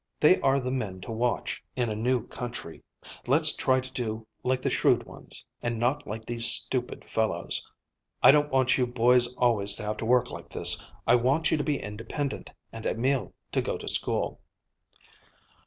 They are the men to watch, in a new country. Let's try to do like the shrewd ones, and not like these stupid fellows. I don't want you boys always to have to work like this. I want you to be independent, and Emil to go to school."